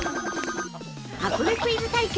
◆箱根クイズ対決。